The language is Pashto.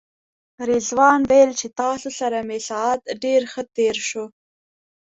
رضوان ویل چې تاسو سره مې ساعت ډېر ښه تېر شو.